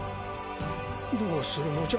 どうするのじゃ？